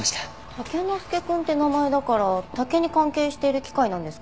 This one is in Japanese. タケノスケくんって名前だから竹に関係している機械なんですか？